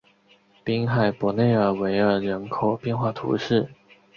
滨海伯内尔维尔人口变化图示